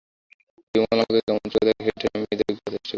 বিমল আমাকে কেমন চোখে দেখে সেইটে আমি দেখবার চেষ্টা করি।